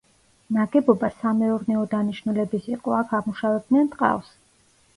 ნაგებობა სამეურნეო დანიშნულების იყო, აქ ამუშავებდნენ ტყავს.